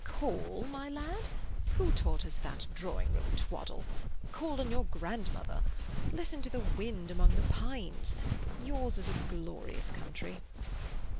"Call, my lad? Who taught us that drawing room twaddle? Call on your grandmother! Listen to the wind among the pines! Yours is a glorious country."